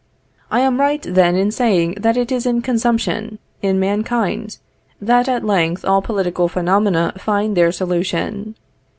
I am right then in saying that it is in consumption, in mankind, that at length all political phenomena find their solution.